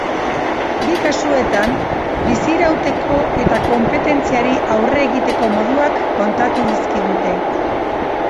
Bi kasuetan, bizirauteko eta konpetentziari aurre egiteko moduak kontatu dizkigute.